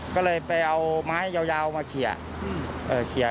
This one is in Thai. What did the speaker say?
ก็เลยไปเอาไม้ยาวมาเฉีย